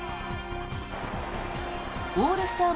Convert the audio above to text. オールスター